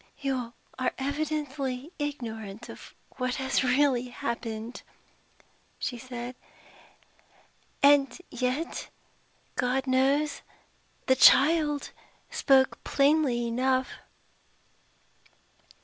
"You are evidently ignorant of what has really happened," she said. "And yet, God knows, the child spoke plainly enough!"